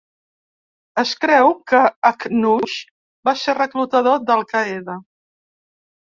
Es creu que Akhnouche va ser reclutador d'Al Qaeda.